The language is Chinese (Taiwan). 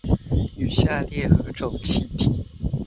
與下列何種氣體